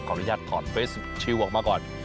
ขออนุญาตถอดเฟสชิลออกมาก่อน